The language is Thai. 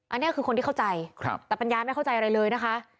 อันนี้คือคนที่เข้าใจแต่ปัญญาไม่เข้าใจอะไรเลยนะคะ